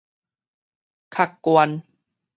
卡關